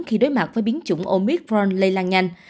khi đối mặt với biến chủng omicron lây lan nhanh